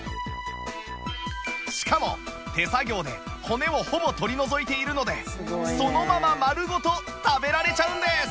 しかも手作業で骨をほぼ取り除いているのでそのまま丸ごと食べられちゃうんです！